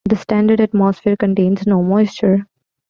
The standard atmosphere contains no moisture.